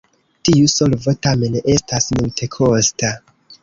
Tiu solvo tamen estas multekosta.